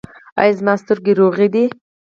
ایا زما سترګې روغې دي؟